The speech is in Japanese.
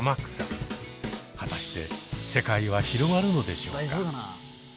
果たして世界は広がるのでしょうか？